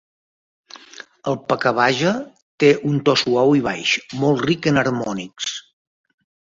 El pakhavaja té un to suau i baix, molt ric en harmònics.